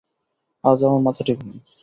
আজ আমার মাথা ঠিক নেই।